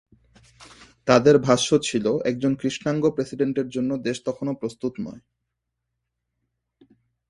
তাঁদের ভাষ্য ছিল, একজন কৃষ্ণাঙ্গ প্রেসিডেন্টের জন্য দেশ তখনো প্রস্তুত নয়।